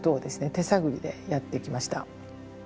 手探りでやってきました。